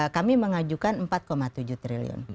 kami mengajukan empat tujuh triliun